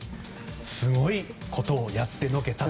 すごいことをやってのけたと。